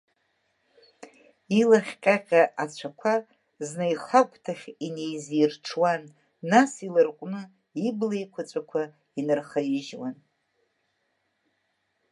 Илахь ҟьаҟьа ацәақәа зны ихагәҭахь инеизирҽуан, нас иларҟәны ибла еиқәаҵәақәа инархаижьуан.